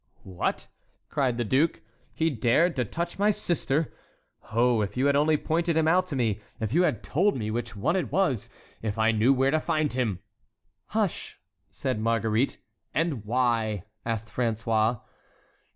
"What!" cried the duke, "he dared to touch my sister? Oh, if you had only pointed him out to me, if you had told me which one it was, if I knew where to find him"— "Hush!" said Marguerite. "And why?" asked François.